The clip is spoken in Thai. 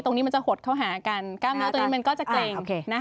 ตรงนี้มันจะหดเข้าหากันกล้ามเนื้อตัวนี้มันก็จะเกร็ง